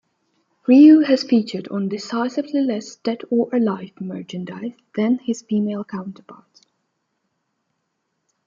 Ryu has featured on decisively less "Dead or Alive" merchandise than his female counterparts.